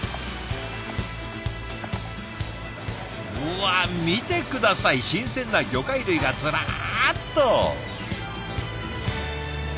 うわ見て下さい新鮮な魚介類がずらっと！